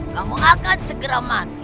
kamu akan segera mati